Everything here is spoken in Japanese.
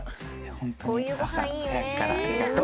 本当に朝早くからありがとう！